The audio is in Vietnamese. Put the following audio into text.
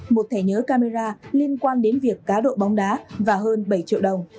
một thẻ nhớ camera liên quan đến việc cá độ bóng đá và hơn bảy triệu đồng